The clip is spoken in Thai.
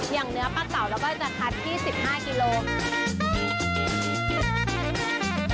อย่างเนื้อปลาเต๋าเราก็จะคัดที่๑๕กิโลกรัม